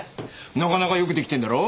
なかなかよく出来てるだろ？